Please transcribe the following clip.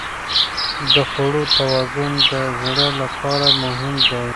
د خوړو توازن د زړه لپاره مهم دی.